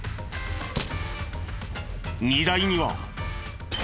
荷台には。